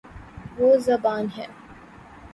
وہ زبا ن ہے